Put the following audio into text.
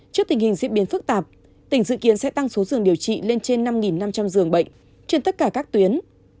trước tình hình diễn biến phức tạp tỉnh dự kiến sẽ tăng số giường điều trị lên trên năm năm trăm linh giường bệnh trên tất cả các tuyến